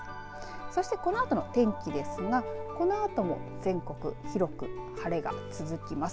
そして、このあとの天気ですがこのあとも全国広く晴れが続きます。